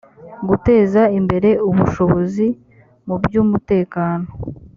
guteza imbere ubushobozi mu by umutekano